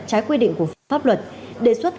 trái quy định của pháp luật